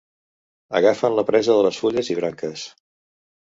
Agafen la presa de les fulles i branques.